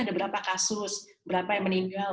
ada berapa kasus berapa yang meninggal